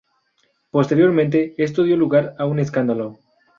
Posteriormente, esto dio lugar a un escándalo.